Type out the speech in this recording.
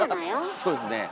そうですね。